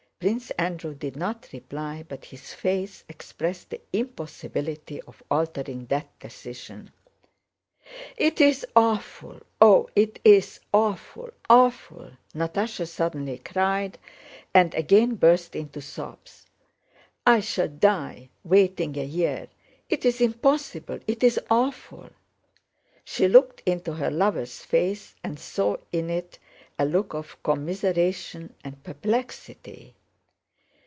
Prince Andrew did not reply, but his face expressed the impossibility of altering that decision. "It's awful! Oh, it's awful! awful!" Natásha suddenly cried, and again burst into sobs. "I shall die, waiting a year: it's impossible, it's awful!" She looked into her lover's face and saw in it a look of commiseration and perplexity.